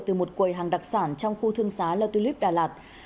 từ một quầy hàng đặc sản trong khu thương xá la tulip đà lạt